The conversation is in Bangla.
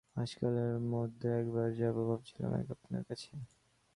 আজকালের মধ্যে একবার যাব ভাবছিলাম আপনার কাছে।